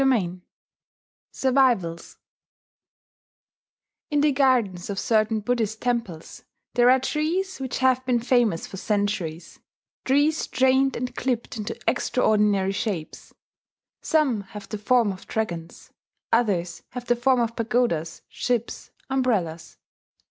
SURVIVALS In the gardens of certain Buddhist temples there are trees which have been famous for centuries, trees trained and clipped into extraordinary shapes. Some have the form of dragons; others have the form of pagodas, ships, umbrellas.